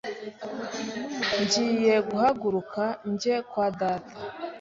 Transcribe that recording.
Ngiye guhaguruka njye kwa data